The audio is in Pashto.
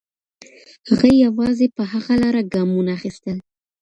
هغې یوازې په هغه لاره ګامونه اخیستل.